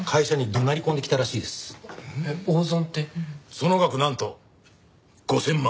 その額なんと５０００万！